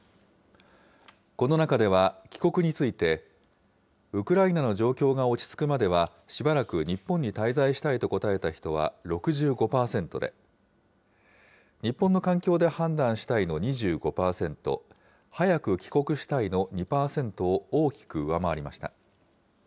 この中では、帰国について、ウクライナの状況が落ち着くまではしばらく日本に滞在したいと答えた人は６５％で、日本の環境で判断したいの２５％、早く帰国したいの２％を大きく上回りました。